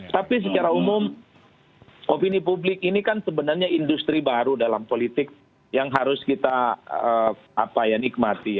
tapi secara umum opini publik ini kan sebenarnya industri baru dalam politik yang harus kita nikmati